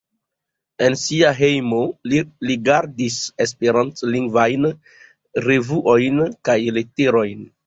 En sia hejmo li gardis esperantlingvajn revuojn kaj leterojn.